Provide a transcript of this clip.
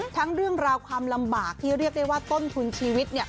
เรื่องราวความลำบากที่เรียกได้ว่าต้นทุนชีวิต